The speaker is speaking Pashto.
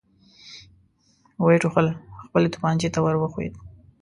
ويې ټوخل، خپلې توپانچې ته ور وښويېد.